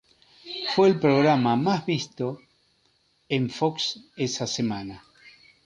Fue el programa más visto en Fox esa semana.